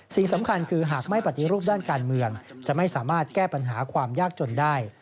สิ่งสำคัญคือหากไม่ปฏิรูปด้านการเมืองจะไม่สามารถแก้ปัญหาความยากจนได้